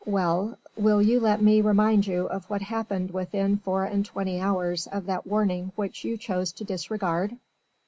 Well! will you let me remind you of what happened within four and twenty hours of that warning which you chose to disregard?